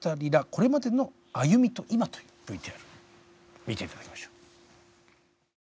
これまでの歩みと今というＶＴＲを見て頂きましょう。